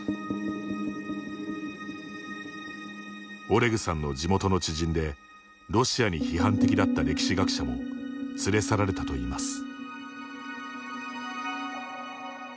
オレグさんの地元の知人でロシアに批判的だった歴史学者も連れ去られたといいます。